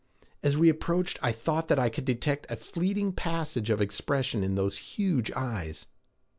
As we approached I thought that I could detect a fleeting passage of expression in those huge eyes.